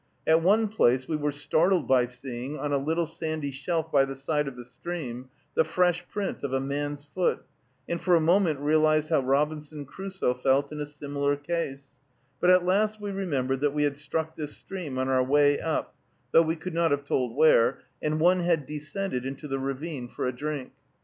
At one place we were startled by seeing, on a little sandy shelf by the side of the stream, the fresh print of a man's foot, and for a moment realized how Robinson Crusoe felt in a similar case; but at last we remembered that we had struck this stream on our way up, though we could not have told where, and one had descended into the ravine for a drink.